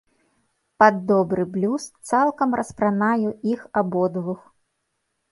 Пад добры блюз цалкам распранаю іх абодвух.